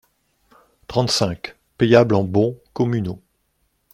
trente-cinq, payable en bons communaux.